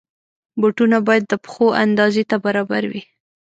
بوټونه باید د پښو اندازې ته برابر وي.